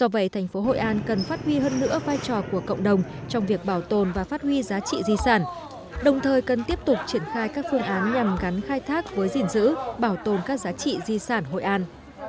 do vậy thành phố hội an cần phát huy hơn nữa vai trò của cộng đồng trong việc bảo tồn và phát huy giá trị di sản đồng thời cần tiếp tục triển khai các phương án nhằm gắn khai thác với gìn giữ bảo tồn các giá trị di sản hội an